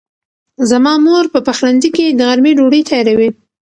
زما مور په پخلنځي کې د غرمې ډوډۍ تیاروي.